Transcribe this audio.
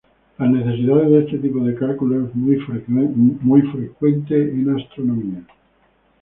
Las necesidades de ese tipo de cálculos es muy frecuente en Astronomía.